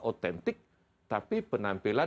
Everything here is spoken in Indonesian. otentik tapi penampilan